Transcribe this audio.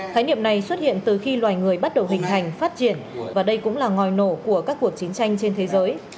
khái niệm này xuất hiện từ khi loài người bắt đầu hình hành phát triển và đây cũng là ngòi nổ của các cuộc chiến tranh trên thế giới